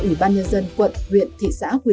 ủy ban nhân dân quận huyện thị xã quy